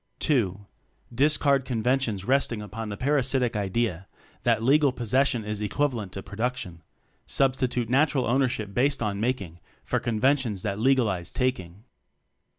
(II) Discard conventions resting upon the parasitic idea that (legal) possession is equivalent to production: Substitute natural ownership based on making for conventions that legal ize taking.